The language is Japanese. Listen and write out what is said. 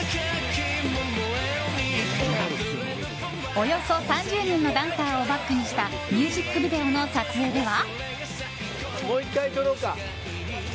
およそ３０人のダンサーをバックにしたミュージックビデオの撮影では。